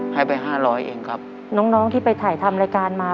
ให้ไปห้าร้อยเองครับน้องน้องที่ไปถ่ายทำรายการมา